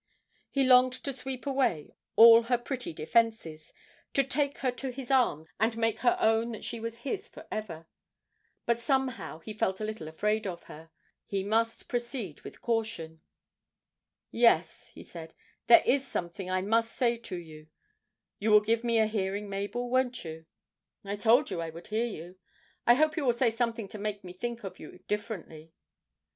He longed to sweep away all her pretty defences, to take her to his arms and make her own that she was his for ever. But somehow he felt a little afraid of her; he must proceed with caution. 'Yes,' he said, 'there is something I must say to you you will give me a hearing, Mabel, won't you?' 'I told you I would hear you. I hope you will say something to make me think of you differently.'